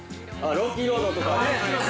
◆ロッキーロードとかね。